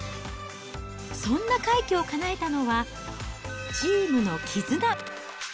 そんな快挙をかなえたのは、チームの絆。